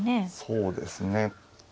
そうですね。